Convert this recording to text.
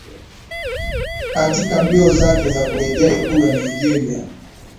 katika mbio zake za kurejea ikulu ya nigeria